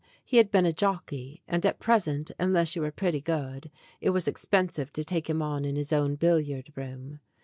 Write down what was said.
He had been a jockey, and at present, unless you were pretty good, it was expensive to take him on in his own billiard room.